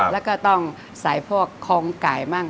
แล้วก็ต้องใส่พวกคองไก่มั่ง